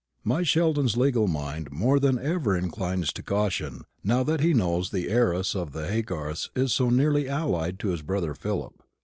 My Sheldon's legal mind more than ever inclines to caution, now that he knows the heiress of the Haygarths is so nearly allied to his brother Philip.